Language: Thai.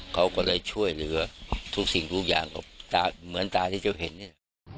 เขาก็เลยช่วยเหลือทุกสิ่งทุกอย่างกับตาเหมือนตาที่เจ้าเห็นนี่แหละ